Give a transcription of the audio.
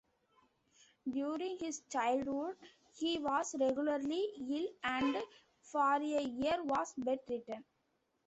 During his childhood he was regularly ill, and for a year was bed-ridden.